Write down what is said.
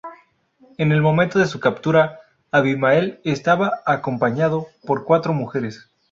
En el momento de su captura, Abimael estaba acompañado por cuatro mujeres.